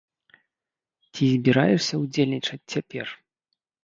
Ці збіраешся ўдзельнічаць цяпер?